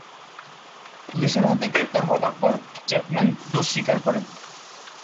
পুলিশের হাতে গ্রেপ্তার হবার পর চ্যাপম্যান দোষ স্বীকার করেন।